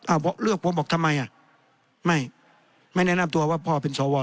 เลือกผมบอกทำไมอ่ะไม่ไม่แนะนำตัวว่าพ่อเป็นสว